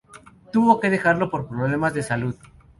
Tuvo que dejarlo por problemas de salud.